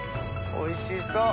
おいしそう。